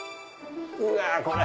うわこれ。